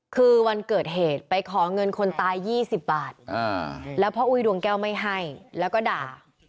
คือวันเกิดเหตุไปขอเงินคนตาย๒๐บาทแล้วพ่ออุ้ยดวงแก้วไม่ให้แล้วก็ด่า